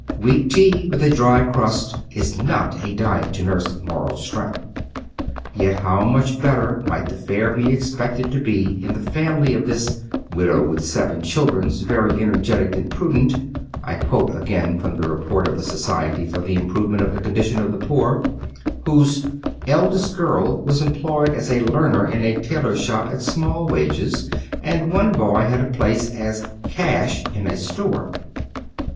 Weak tea with a dry crust is not a diet to nnree moral strength Yet how much better might the fare be expected to be in the family of tliia " widow with seven children, very ener getic and prudent "—I quote again from the report of the Society for the Improvement of the Condition of the Poor — whose " eldest girl was employed as a learner in a tailor's shop at small wages, and one boy had a place as ' cash ' in a store.